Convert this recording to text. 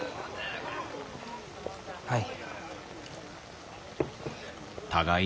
はい。